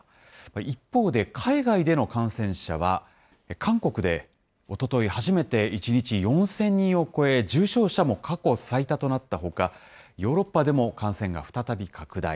一方で、海外での感染者は、韓国でおととい、初めて１日４０００人を超え、重症者も過去最多となったほか、ヨーロッパでも感染が再び拡大。